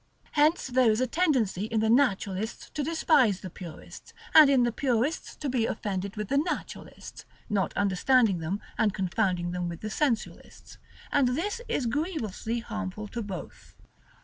Hence there is a tendency in the Naturalists to despise the Purists, and in the Purists to be offended with the Naturalists (not understanding them, and confounding them with the Sensualists); and this is grievously harmful to both.